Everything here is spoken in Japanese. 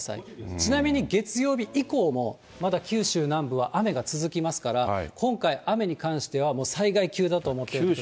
ちなみに月曜日以降も、まだ九州南部は雨が続きますから、今回、雨に関しては、もう災害級だと思っておいてください。